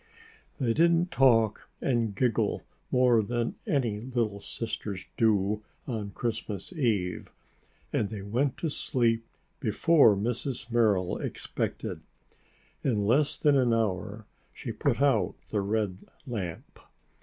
They didn't talk and giggle more than any little sisters do on Christmas eve and they went to sleep before Mrs. Merrill expected. In less than an hour she put out the red lamp.